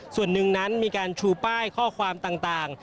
ส่วนหนึ่งนั้นมีการชูป้ายข้อความต่าง